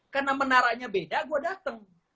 karena menaranya beda gue datang